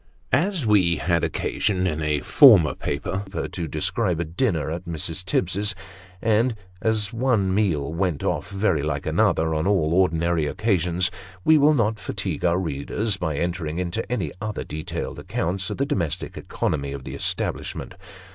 As we had occasion, in a former paper, to describe a dinner at Mrs. Tibbs's ; and as one meal went off very like another on all ordinary occasions ; we will not fatigue our readers by entering into any other detailed account of the domestic economy of the establishment.